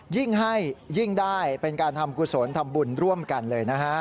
ยิ่งให้ยิ่งได้เป็นการทำกุศลทำบุญร่วมกันเลยนะฮะ